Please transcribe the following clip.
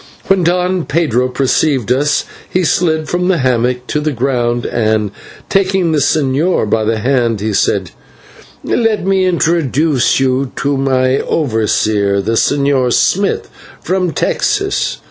When Don Pedro perceived us, he slid from his hammock to the ground, and, taking the señor by the hand, he said: "Let me introduce you to my overseer, the Señor Smith, from Texas.